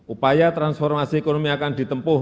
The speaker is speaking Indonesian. upaya transformasi ekonomi akan ditempuh